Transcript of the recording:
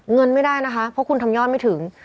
เงินไม่ได้นะคะเพราะคุณทำยอดไม่ถึง